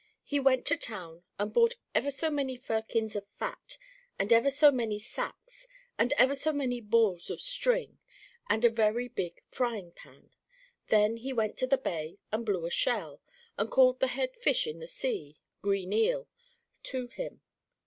He went to town and bought ever so many firkins of fat, and ever so many sacks, and ever so many balls of string, and a very big frying pan, then he went to the bay and blew a shell, and called the Head fish in the sea, "Green Eel," to him.